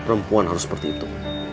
perempuan harus seperti itu